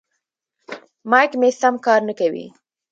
مایک مې سم کار نه کوي.